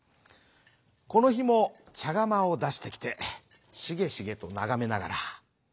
このひもちゃがまをだしてきてしげしげとながめながら。